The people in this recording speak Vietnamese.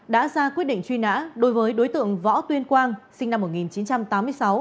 đã ra quyết định truy nã đối với đối tượng võ tuyên quang sinh năm một nghìn chín trăm tám mươi sáu